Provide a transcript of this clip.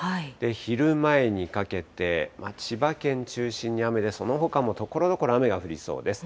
昼前にかけて、千葉県中心に雨で、そのほかもところどころ雨が降りそうです。